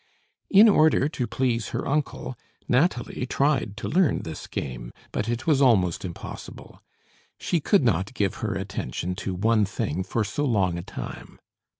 In order to please her uncle, Nathalie tried to learn this game; but it was almost impossible. She could not give her attention to one thing for so long a time.